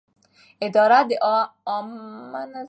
اداره د عامه نظم د ټینګښت برخه ده.